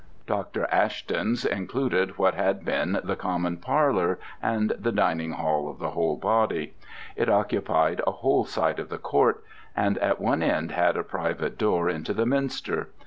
Dr. Ashton's included what had been the common parlour and the dining hall of the whole body. It occupied a whole side of the court, and at one end had a private door into the minster.